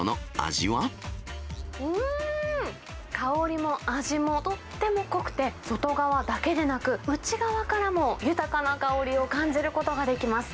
うーん、香りも味もとっても濃くて、外側だけでなく、内側からも豊かな香りを感じることができます。